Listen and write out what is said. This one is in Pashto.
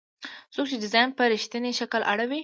څوک چې ډیزاین په رښتیني شکل اړوي.